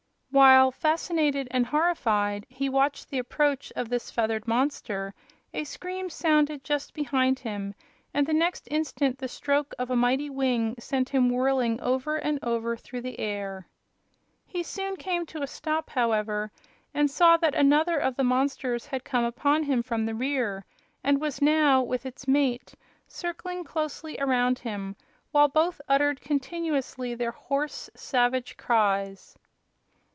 While, fascinated and horrified, he watched the approach of this feathered monster, a scream sounded just behind him and the next instant the stroke of a mighty wing sent him whirling over and over through the air. He soon came to a stop, however, and saw that another of the monsters had come upon him from the rear and was now, with its mate, circling closely around him, while both uttered continuously their hoarse, savage cries.